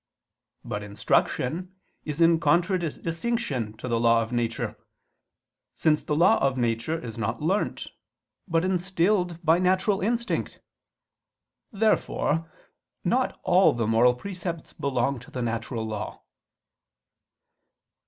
But instruction is in contradistinction to the law of nature; since the law of nature is not learnt, but instilled by natural instinct. Therefore not all the moral precepts belong to the natural law.